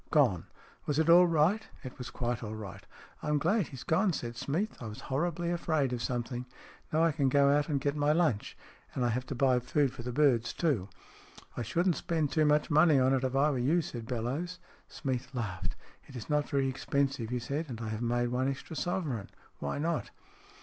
Gone." "Was it all right?" " It was quite all right." " I'm glad he's gone," said Smeath. " I was horribly afraid of something. Now I can go out and get my lunch, and I have to buy food for the birds too." " I shouldn't spend too much money on it if I were you," said Bellowes. Smeath laughed. " It is not very expensive," he said. " And I have made one extra sovereign. Why not